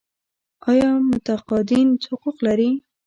آیا متقاعدین حقوق لري؟